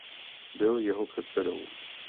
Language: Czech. Byl jeho předsedou.